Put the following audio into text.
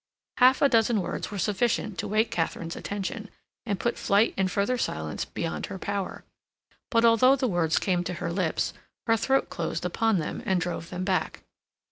Half a dozen words were sufficient to wake Katharine's attention, and put flight and further silence beyond her power. But although the words came to her lips, her throat closed upon them and drove them back.